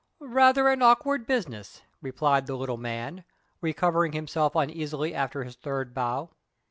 "Rather an awkward business," replied the little man, recovering himself uneasily after his third bow.